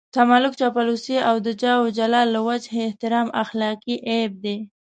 تملق، چاپلوسي او د جاه و جلال له وجهې احترام اخلاقي عيب دی.